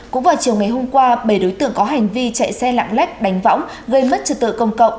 cũng vào chiều ngày hôm qua bảy đối tượng có hành vi chạy xe lạng lách đánh võng gây mất trật tự công cộng